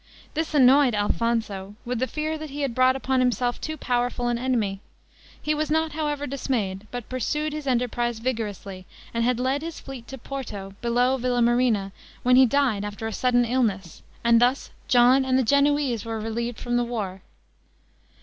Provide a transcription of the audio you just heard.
This annoyed Alfonso, with the fear that he had brought upon himself too powerful an enemy. He was not, however, dismayed; but pursued his enterprise vigorously, and had led his fleet to Porto, below Villamarina, when he died after a sudden illness, and thus John and the Genoese were relieved from the war.